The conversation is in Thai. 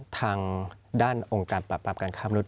ทางด้านองค์การปรับปรามการค้ามนุษ